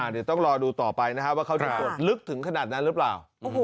เดี๋ยวต้องรอดูต่อไปนะครับว่าเขาจะตรวจลึกถึงขนาดนั้นหรือเปล่า